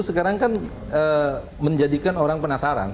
sekarang kan menjadikan orang penasaran